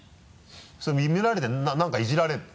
それ見られて何かいじられるの？